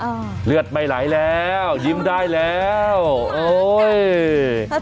เลือดไม่ไหลแล้วยิ้มได้แล้วโอ้ย